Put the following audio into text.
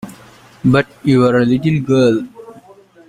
But you were a little girl.